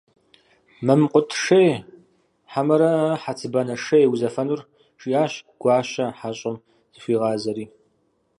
«Мэмкъут шей, хьэмэрэ хьэцыбанэ шей узэфэнур?» - жиӏащ Гуащэ, хьэщӏэм зыхуигъазэри.